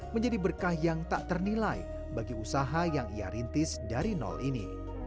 menjadi berkah yang tak ternilai bagi usaha yang ia rintis dari nol ini